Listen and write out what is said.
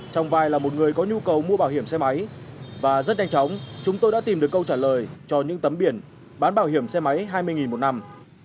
trong vai là một người có nhu cầu mua bảo hiểm xe máy và rất nhanh chóng chúng tôi đã tìm được câu trả lời cho những tấm biển bán bảo hiểm xe máy hai mươi một năm